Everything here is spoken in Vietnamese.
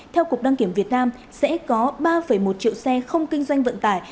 theo cục đăng kiểm việt nam sẽ có ba một triệu xe không kinh doanh vận tải